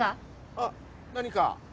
はっ何か？